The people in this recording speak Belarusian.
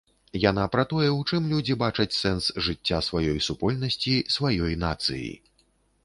Яна пра тое, у чым людзі бачаць сэнс жыцця сваёй супольнасці, сваёй нацыі.